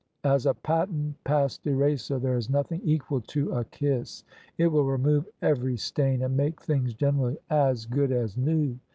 As a patent past eraser there is nothing equal to a kiss: it will remove every stain, and make things generally as good as new.